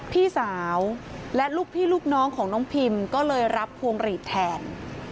พี่สาวและลูกพี่ลูกน้องของน้องพิมก็เลยรับพวงหลีดแทน